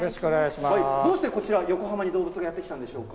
どうしてこちら、横浜に動物がやって来たんでしょうか。